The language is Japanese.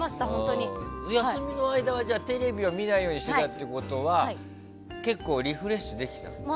休みの間はテレビを見ないようにしていたということは結構、リフレッシュできた？